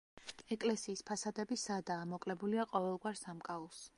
ეკლესიის ფასადები სადაა, მოკლებულია ყოველგვარ სამკაულს.